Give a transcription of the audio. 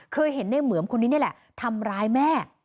เคยเห็นในเหมือมคนนี้นี่แหละทำร้ายแม่